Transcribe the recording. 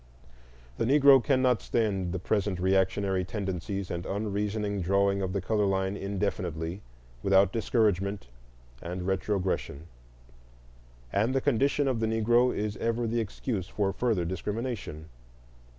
The Negro cannot stand the present reactionary tendencies and unreasoning drawing of the color line indefinitely without discouragement and retrogression. And the condition of the Negro is ever the excuse for further discrimination.